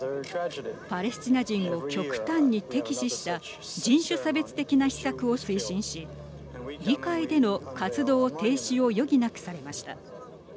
パレスチナ人を極端に敵視した人種差別的な施策を推進し議会での活動停止を余儀なくされました。